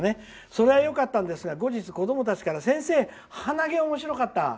「それはよかったんですが後日、子どもたちからはなげおもしろかった。